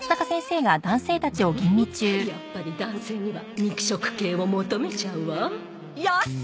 フフフやっぱり男性には肉食系を求めちゃうわやっす！